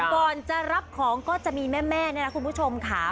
ก่อนจะรับของก็จะมีแม่เนี่ยนะคุณผู้ชมค่ะ